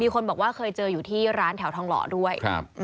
คนบอกว่าเคยเจออยู่ที่ร้านแถวทองหล่อด้วย